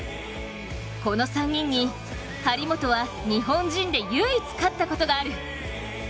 この３人に張本は日本人で唯一勝ったことがある。